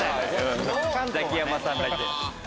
ザキヤマさんだけ。